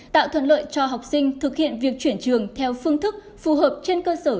tạo thuận lợi cho học sinh thực hiện việc chuyển trường theo phương thức phù hợp trên cơ sở